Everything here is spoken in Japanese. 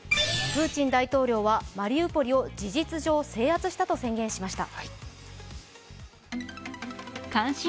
プーチン大統領はマリウポリを事実上制圧したと宣言しました。